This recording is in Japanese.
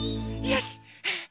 よし！